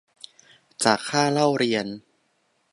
จากค่าเล่าเรียน